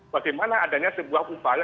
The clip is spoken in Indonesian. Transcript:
bagaimana adanya sebuah upaya